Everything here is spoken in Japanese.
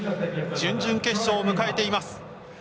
準々決勝を迎えています。